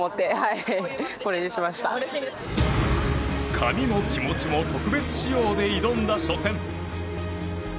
髪も気持ちも特別仕様で挑んだ初戦。